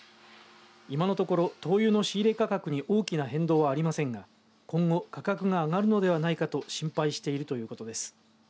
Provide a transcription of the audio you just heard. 今のところ灯油の仕入れ価格に大きな変動はありませんが、今後価格が上がるのではないかと心配しているということです。